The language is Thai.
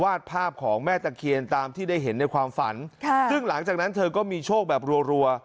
ภาพของแม่ตะเคียนตามที่ได้เห็นในความฝันค่ะซึ่งหลังจากนั้นเธอก็มีโชคแบบรัว